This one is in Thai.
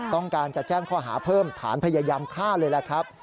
ต้องการจะแจ้งข้อหาเพิ่มฐานพยายามฆ่าเลยล่ะครับ